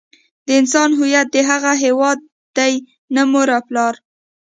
د انسان هویت د هغه هيواد دی نه مور او پلار.